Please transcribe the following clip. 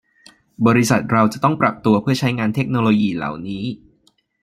บริษัทเราจะต้องปรับตัวเพื่อใช้งานเทคโนโลยีเหล่านี้